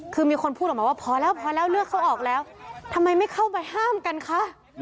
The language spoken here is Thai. คือมีคนพูดออกมาว่าพอแล้วพอแล้วเลือกเขาออกแล้วทำไมไม่เข้าไปห้ามกันคะ